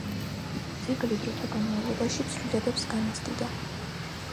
ძეგლი დროთა განმავლობაში ცვლილებებს განიცდიდა.